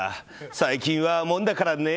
最近はもんだからね。